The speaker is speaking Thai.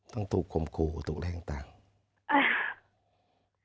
ต้องถูกคมครูถูกแรงตังค์